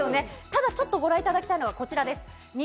ただちょっとご覧いただきたいのがこちらです。